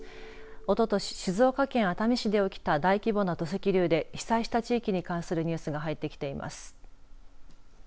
おととし、静岡県熱海市で起きた大規模な土石流で被災した地域に関するニュースが入ってきています。